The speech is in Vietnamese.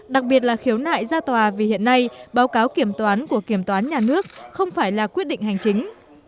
đặc biệt là khiếu nại ra tòa vì hiện nay báo cáo kiểm toán của kiểm toán nhà nước không phải là quyết định hành chính